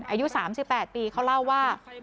อายุ๓๘ปีเขาเล่าว่า